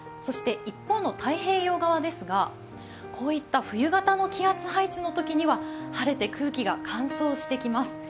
一方の太平洋側ですが、こういった冬型の気圧配置のときには晴れて空気が乾燥してきます。